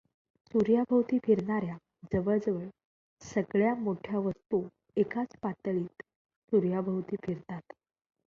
सूर्याभोवती फिरणार् या जवळजवळ सगळ्या मोठ्या वस्तू एकाच पातळीत सूर्याभोवती फिरतात.